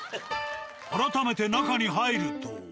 改めて中に入ると。